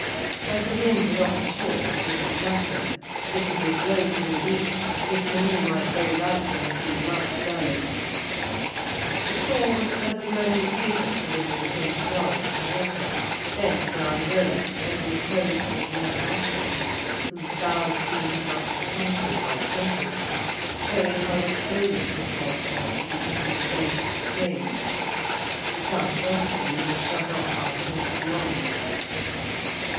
As the wind was off the shore it did not matter; if it had blown from the east, his canoe might very likely have been much damaged. The shore was overgrown with hazel to within twenty yards of the water, then the ground rose and was clothed with low ash trees, whose boughs seemed much stunted by tempest, showing how exposed the spot was to the easterly gales of spring. The south west wind was shut off by the hills beyond.